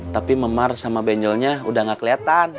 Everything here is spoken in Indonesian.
tapi memar sama benjolnya udah nggak keliatan